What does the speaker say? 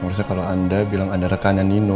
maksudnya kalau anda bilang ada rekannya nino